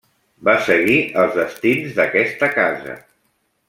Va seguir els destins d'aquesta casa.